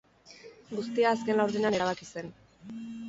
Guztia azken laurdenean erabaki zen.